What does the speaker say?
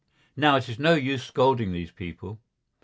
Now it is no use scolding these people.